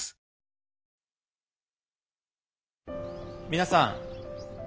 皆さん。